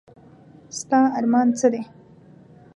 ستا ارمان څه دی ؟